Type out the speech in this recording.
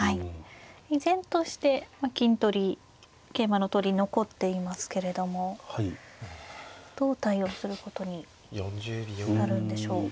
依然として金取り桂馬の取り残っていますけれどもどう対応することになるんでしょう？